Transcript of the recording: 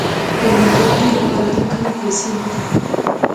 د يوې مفکورې لپاره دا کمې پيسې نه دي.